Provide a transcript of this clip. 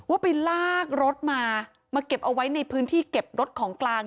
ว่าไปลากรถมามาเก็บเอาไว้ในพื้นที่เก็บรถของกลาง